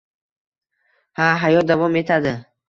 Ha, hayot davom etadi